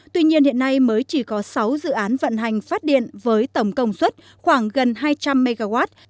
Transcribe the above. tuy nhiên hiện nay mới chỉ có sáu dự án vận hành phát điện với tổng công suất khoảng gần hai trăm linh mw